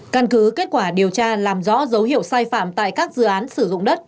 căn cứ kết quả điều tra làm rõ dấu hiệu sai phạm tại các dự án sử dụng đất